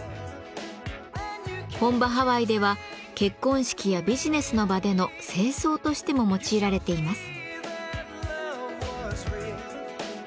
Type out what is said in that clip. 本場ハワイでは結婚式やビジネスの場での正装としても用いられています。